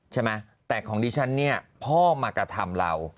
ใช่ไหมแต่ของดิฉันเนี่ยพ่อมากระทำเรา